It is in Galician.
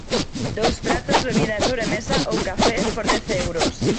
Dous pratos, bebida e sobremesa ou café por dez euros.